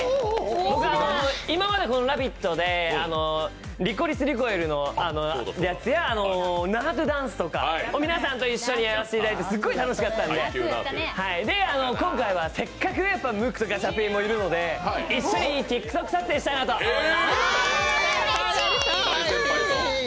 今までこの「ラヴィット！」でリコリスリコイルのやつやナートゥダンスとかを皆さんと一緒にやらせてもらってすごい楽しかったので、今回はせっかくムックがいるので一緒にＴｉｋＴｏｋ撮影をしたいと思います。